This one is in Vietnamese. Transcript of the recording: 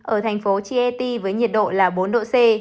ở thành phố chiet với nhiệt độ là bốn độ c